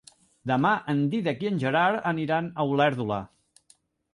Demà en Dídac i en Gerard aniran a Olèrdola.